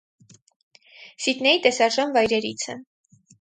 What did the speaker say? Սիդնեյի տեսարժան վայրերից է։